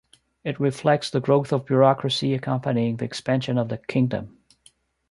It reflects the growth of bureaucracy accompanying the expansion of the kingdom.